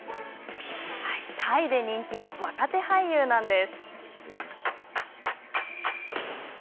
タイで人気の若手俳優なんです。